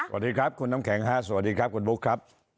สวัสดีครับคุณน้ำแข็งฮะสวัสดีครับคุณบุ๊คครับ